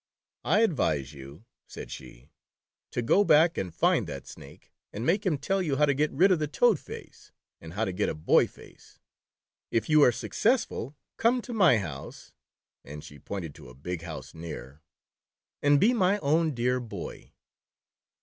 "I advise you," said she, "to go back and find The Toad Boy. 191 that Snake and make him tell you how to get rid of the toad face and how to get a boy face. If you are successful, come to my house," and she pointed to a big house near, "and be my own dear boy."